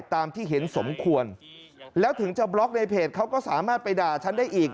ตามที่เห็นสมควรแล้วถึงจะบล็อกในเพจเขาก็สามารถไปด่าฉันได้อีก